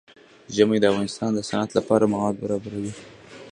ژمی د افغانستان د صنعت لپاره مواد برابروي.